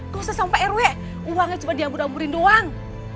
gak usah sama pak rue uangnya cuma diambur amburin doang